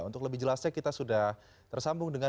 untuk lebih jelasnya kita sudah tersambung dengan